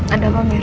ada apa mir